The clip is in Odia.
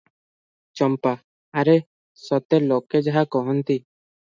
ଚମ୍ପା - ଆରେ, ସତେ ଲୋକେ ଯାହା କହନ୍ତି